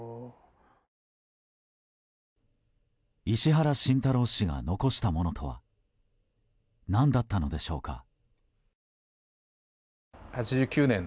石原慎太郎氏が残したものとは何だったのでしょうか。